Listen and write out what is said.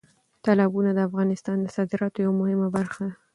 تالابونه د افغانستان د صادراتو یوه مهمه برخه ده.